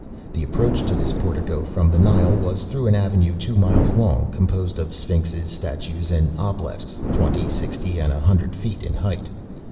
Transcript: The approach to this portico, from the Nile, was through an avenue two miles long, composed of sphynxes, statues, and obelisks, twenty, sixty, and a hundred feet in height.